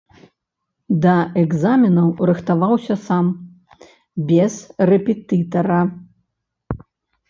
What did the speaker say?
Да экзаменаў рыхтаваўся сам, без рэпетытара.